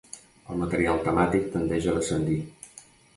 El material temàtic tendeix a descendir.